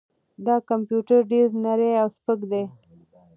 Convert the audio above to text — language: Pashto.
دا کمپیوټر ډېر نری او سپک دی.